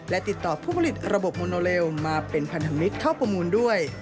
และติดต่อผู้ผลิตระบบโมโนเลลมาเป็นพันธมิตรเข้าประมูลด้วย